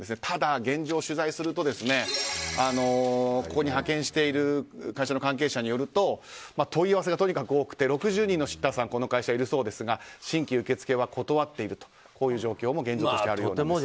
ただ現状、取材するとここに派遣している会社の関係者によると問い合わせがとにかく多くて６０人のシッターさんがこの会社にいるそうですが新規受け付けは断っているという状況も現状としてあるようです。